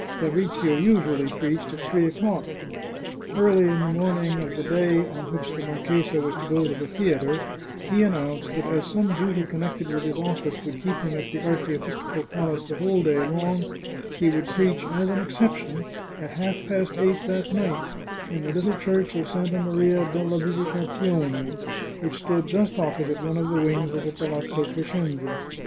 Fabrizio usually preached at three o'clock. Early in the morning of the day on which the marchesa was to go to the theatre he announced that as some duty connected with his office would keep him at the archiepiscopal palace the whole day long, he would preach, as an exception, at half past eight, that night, in the little Church of Santa Maria della Visitazione, which stood just opposite one of the wings of the Palazzo Crescenzi.